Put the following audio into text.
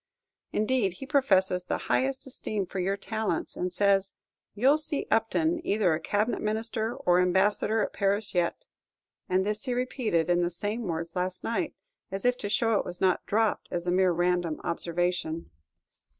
Indeed, he professes the highest esteem for your talents, and says, "You'll see Upton either a cabinet minister or ambassador at Paris yet;" and this he repeated in the same words last night, as if to show it was not dropped as a mere random observation.